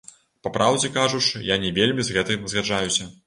Папраўдзе кажучы, я не вельмі з гэтым згаджаюся.